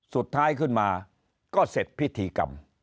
สุดท้ายขึ้นมาก็เสร็จพิธีกรรม